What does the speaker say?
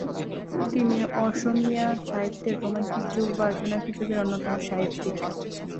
তিনি অসমীয়া সাহিত্যের রোমান্টিক যুগ বা জোনাকী যুগের অন্যতম সাহিত্যিক।